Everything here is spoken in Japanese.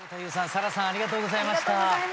ｓａｒａさんありがとうございました。